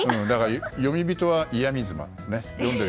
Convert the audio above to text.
詠み人は嫌味妻。